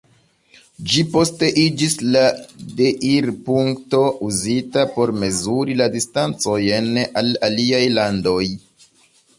Ĝi poste iĝis la deirpunkto uzita por mezuri la distancojn al aliaj landoj.